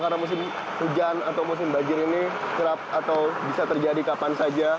karena musim hujan atau musim bajir ini terap atau bisa terjadi kapan saja